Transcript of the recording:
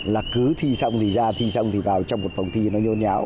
là cứ thi xong thì ra thi xong thì vào trong một phòng thi nó nhôn nháo